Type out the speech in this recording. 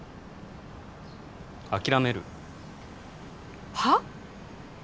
諦めるはあ？